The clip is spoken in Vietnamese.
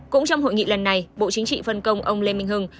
cũng trong hội nghị lần này bộ chính trị phân công ông lê minh hưng